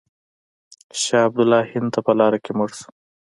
شاه عبدالله هند ته په لاره کې مړ شو.